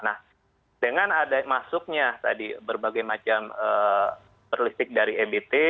nah dengan ada masuknya tadi berbagai macam berlistik dari ebt